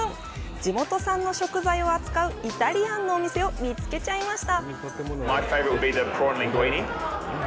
地元産の食材を扱うイタリアンのお店を見つけちゃいました。